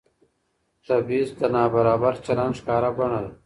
تبعیض د نابرابر چلند ښکاره بڼه ده